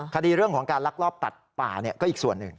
คดีเรื่องของการลักลอบตัดป่าก็อีกส่วนหนึ่ง